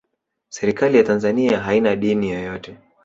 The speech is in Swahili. serikali ya tanzania haina dini yoyote